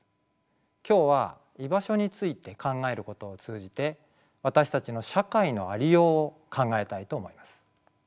今日は居場所について考えることを通じて私たちの社会のありようを考えたいと思います。